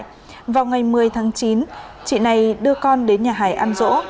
trong ngày một mươi hai tháng chín chị này đưa con đến nhà hải ăn rỗ